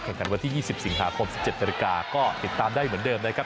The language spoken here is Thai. แข่งวันที่๒๐สิงหาคม๑๗นาฬิกาก็ติดตามได้เหมือนเดิมนะครับ